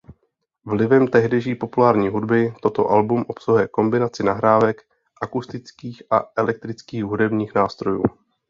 Vlivem tehdejší populární hudby toto album obsahuje kombinaci nahrávek akustických a elektrických hudebních nástrojů.